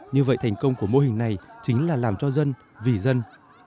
như vậy thành công của mô hình này chính là làm cho dân vì dân